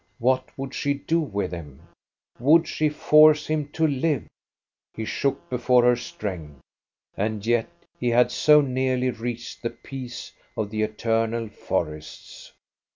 What would she do with him ? Would she force him to live? He shook before her strength. And yet he had so nearly reached the peace of the eternal forests.